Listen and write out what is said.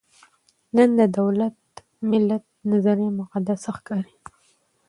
نن د دولت–ملت نظریه مقدس ښکاري.